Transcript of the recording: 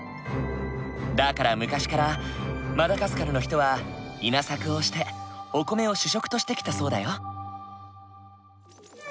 だから昔からマダガスカルの人は稲作をしてお米を主食としてきたそうだよ。